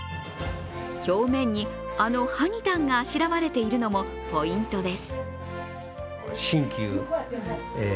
表面にあの、はにたんがあしらわれているのもポイントです。